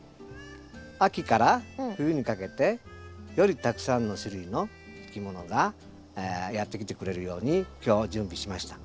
秋から冬にかけてよりたくさんの種類のいきものがやって来てくれるように今日準備しました。